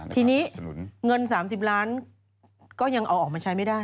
ทีนี้เงิน๓๐ล้านก็ยังเอาออกมาใช้ไม่ได้